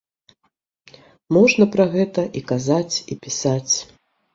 Можна пра гэта і казаць, і пісаць.